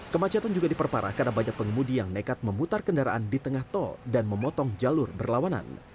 kemacetan juga diperparah karena banyak pengemudi yang nekat memutar kendaraan di tengah tol dan memotong jalur berlawanan